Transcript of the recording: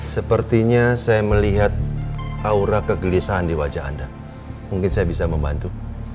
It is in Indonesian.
sepertinya saya melihat aura kegelisahan di wajah anda mungkin saya bisa membantu